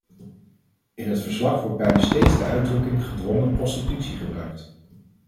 In het verslag wordt bijna steeds de uitdrukking gedwongen prostitutie gebruikt.